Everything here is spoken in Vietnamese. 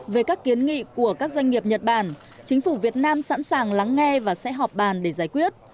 về các kiến nghị của các doanh nghiệp nhật bản chính phủ việt nam sẵn sàng lắng nghe và sẽ họp bàn để giải quyết